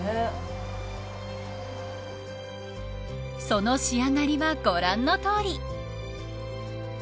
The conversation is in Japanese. その仕上がりはご覧のとおり。